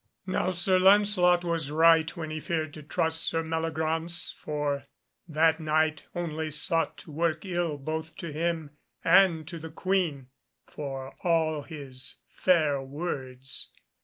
Now, Sir Lancelot was right when he feared to trust Sir Meliagraunce, for that Knight only sought to work ill both to him and to the Queen, for all his fair words.